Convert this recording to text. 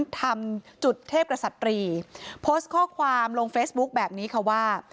ทำจุดเทพกษัตรีโพสต์ข้อความลงเฟซบุ๊คแบบนี้ค่ะว่า